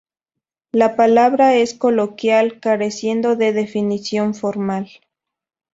La palabra es coloquial, careciendo de definición formal.